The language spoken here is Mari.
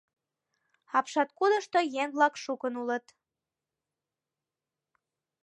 Апшаткудышто еҥ-влак шукын улыт.